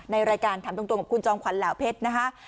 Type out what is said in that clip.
ในรายการถามตรงกับคุณจอมขวัญเหล่าเพชรนะคะ